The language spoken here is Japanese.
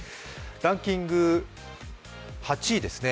ランキング８位ですね。